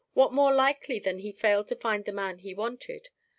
What more likely than that he failed to find the man he wanted?